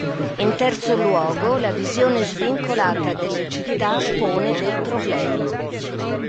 In terzo luogo, la visione svincolata delle città pone dei problemi.